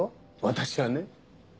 私はね。